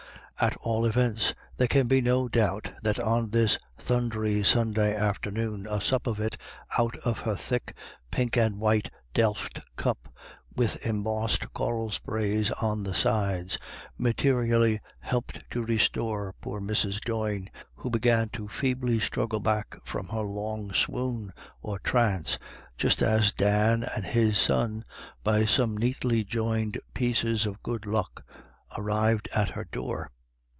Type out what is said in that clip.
At all events there can be no doubt that on this thundery Sunday afternoon a sup of it out of her thick pink and white delft cup, with embossed coral sprays on the sides, materially helped to restore poor Mrs. Doyne, who began to feebly struggle back from her long swoon or trance, just as Dan and his son, by some neatly joined pieces of good luck, arrived at her door.